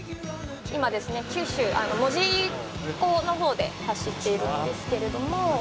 「今ですね九州門司港の方で走っているんですけれども」